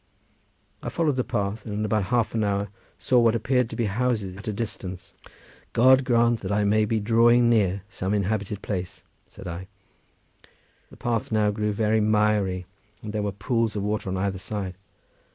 I followed the path, and in about half an hour saw what appeared to be houses at a distance. "God grant that I may be drawing near some inhabited place," said I. The path now grew very miry, and there were pools of water on either side.